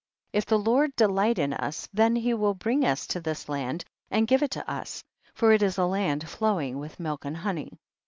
38. If the Lord delight in us, then he will bring us to this land and give it to us, for it is a land flowing with milk and honey.